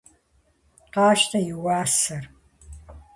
Къащтэ и уасэр.